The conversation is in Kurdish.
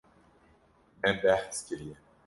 Me behs kiriye.